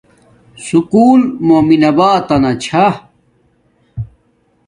سکُول مومن آباتنا چھا